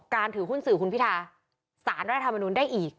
ถือหุ้นสื่อคุณพิธาสารรัฐธรรมนุนได้อีก